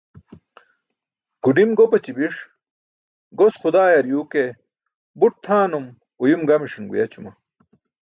Guḍim gopaći biṣ, gos xudaayar yuu ke but tʰaanum/uyum gamiṣan guyaćuma.